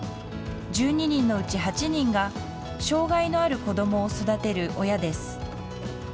１２人のうち８人が、障害のある子どもを育てる親です。